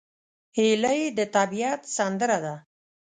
هیلۍ د طبیعت سندره ده